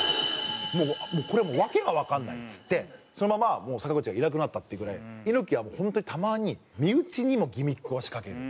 これは訳がわかんないっつってそのままもう坂口がいなくなったっていうぐらい猪木は本当にたまに身内にもギミックを仕掛ける。